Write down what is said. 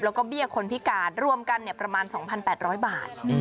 แล้วก็เบี้ยคนพิการรวมกันประมาณ๒๘๐๐บาท